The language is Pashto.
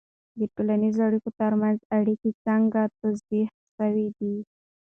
د ټولنیزو اړیکو ترمنځ اړیکه څنګه توضیح سوې ده؟